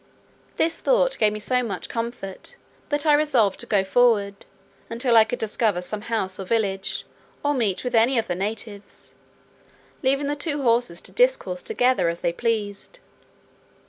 This thought gave me so much comfort, that I resolved to go forward, until I could discover some house or village, or meet with any of the natives, leaving the two horses to discourse together as they pleased.